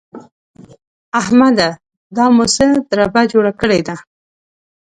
احمده! دا مو څه دربه جوړه کړې ده؟!